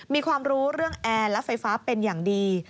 มีความรู้เรื่องแอร์และไฟฟ้าเป็นอย่างดี